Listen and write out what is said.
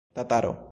Tataro?